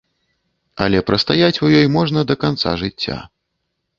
Але прастаяць у ёй можна да канца жыцця.